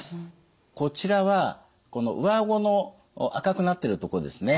こちらはこの上顎の赤くなってるとこですね。